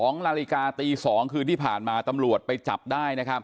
๒นาฬิกาตี๒คืนนี้ผ่านมาตำรวจไปจับได้